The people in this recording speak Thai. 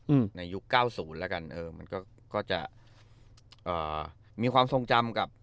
อืมในยุคเก้าศูนย์แล้วกันเออมันก็ก็จะเอ่อมีความทรงจำกับ